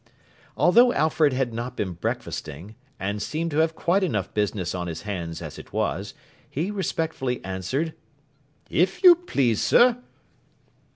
Although Alfred had not been breakfasting, and seemed to have quite enough business on his hands as it was, he respectfully answered: 'If you please, sir.